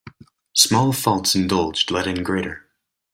Small faults indulged let in greater.